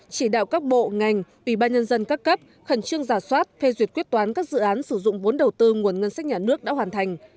chỉ đạo các bộ ngành ủy ban nhân dân các cấp khẩn trương giả soát phê duyệt quyết toán các dự án sử dụng vốn đầu tư nguồn ngân sách nhà nước đã hoàn thành